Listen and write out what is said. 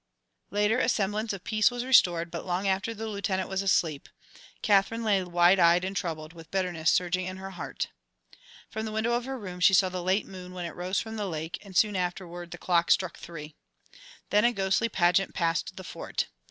Later, a semblance of peace was restored, but long after the Lieutenant was asleep, Katherine lay, wide eyed and troubled, with bitterness surging in her heart. From the window of her room she saw the late moon when it rose from the lake, and soon afterward the clock struck three. Then a ghostly pageant passed the Fort.